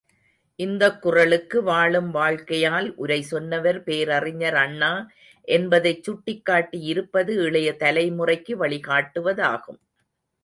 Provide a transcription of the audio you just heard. இந்தக் குறளுக்கு வாழும் வாழ்க்கையால் உரை சொன்னவர் பேரறிஞர் அண்ணா என்பதைச் சுட்டிக்காட்டி இருப்பது இளைய தலைமுறைக்கு வழிகாட்டுவதாகும்.